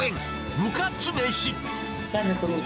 部活めし。